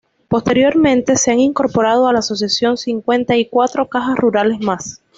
Posteriormente se han incorporado a la asociación cincuenta y cuatro Cajas Rurales más.